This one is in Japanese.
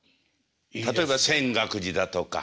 例えば「泉岳寺」だとか。